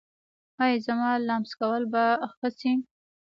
ایا زما لمس کول به ښه شي؟